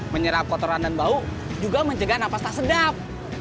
menyerap kotoran dan bau juga mencegah napas tak sedap